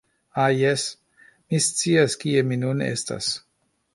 Ha, jes! Mi scias kie mi nun estas.